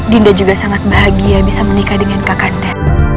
dinda juga sangat bahagia bisa menikah dengan kakaknya